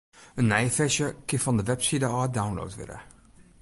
In nije ferzje kin fan de webside ôf download wurde.